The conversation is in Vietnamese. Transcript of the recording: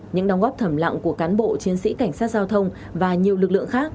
những đóng góp thầm lặng của cán bộ chiến sĩ cảnh sát giao thông và nhiều lực lượng khác